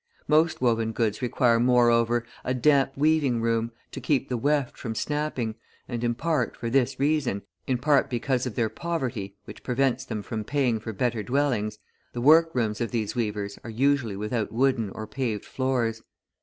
Most woven goods require moreover a damp weaving room, to keep the weft from snapping, and in part, for this reason, in part because of their poverty, which prevents them from paying for better dwellings, the workrooms of these weavers are usually without wooden or paved floors.